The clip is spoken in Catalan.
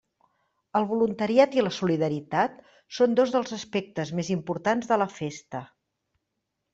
El voluntariat i la solidaritat són dos dels aspectes més importants de la festa.